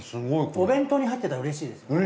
お弁当に入ってたらうれしいですよねこれ。